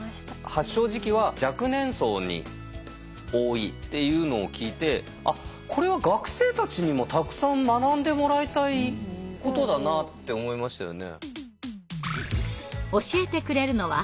発症時期は若年層に多いっていうのを聞いてあっこれは学生たちにもたくさん学んでもらいたいことだなって思いましたよね。